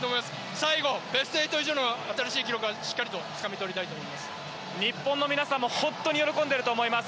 最後、ベスト８以上の新しい記録はしっかりつかみ取りたいと思います。